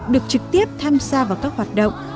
được trực tiếp tham gia vào các hoạt động